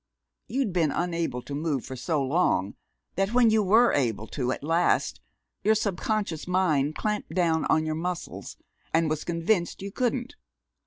"You'd been unable to move for so long that when you were able to at last your subconscious mind clamped down on your muscles and was convinced you couldn't.